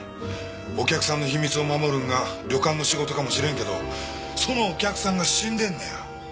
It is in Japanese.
お客さんの秘密を守るんが旅館の仕事かもしれんけどそのお客さんが死んでんのや。